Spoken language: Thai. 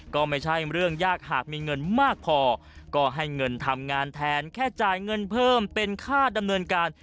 ก็ไม่ใช่เรื่องยากหากมีเงินมากพอก็ให้เงินทำงานแทนแค่จ่ายเงินเพิ่มเป็นค่าดำเนินการ